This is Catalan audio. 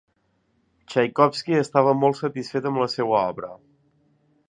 Txaikovski estava molt satisfet de la seua obra.